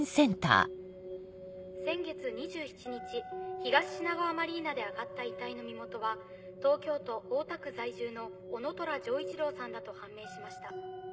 先月２７日東品川マリーナで揚がった遺体の身元は東京都大田区在住の男虎丈一郎さんだと判明しました。